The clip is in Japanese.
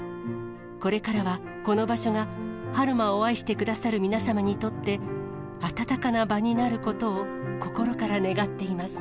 これからは、この場所が春馬を愛してくださる皆様にとって、温かな場になることを心から願っています。